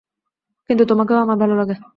কিন্তু তোমাকেও আমার ভালো লাগে।